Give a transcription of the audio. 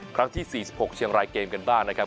ครั้งที่๔๖เชียงรายเกมกันบ้างนะครับ